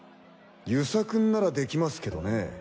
遊佐君なら出来ますけどね。